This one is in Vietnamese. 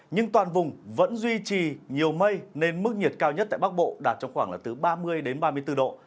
nhưng toàn vùng vẫn duy trì nhiều mây nên mức nhiệt cao nhất tại bắc bộ đạt trong khoảng ba mươi ba mươi bốn độ